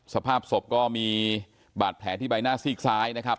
สภาพศพก็มีบาดแผลที่ใบหน้าซีกซ้ายนะครับ